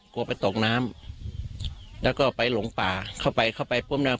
กลัวไปตกน้ำแล้วก็ไปหลงป่าเข้าไปเข้าไปพรุ่งนั่ง